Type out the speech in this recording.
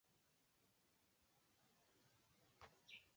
Â lɔ́ ú kítūm chèŋ.